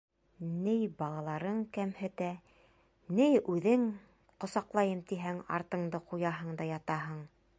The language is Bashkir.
Ней балаларың кәмһетә, ней үҙең ҡосаҡлайым тиһәң, артыңды ҡуяһың да ятаһың.